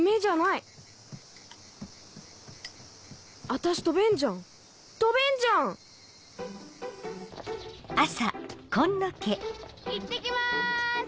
いってきます！